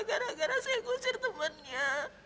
gara gara saya kuncir temannya